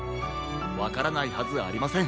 わからないはずありません。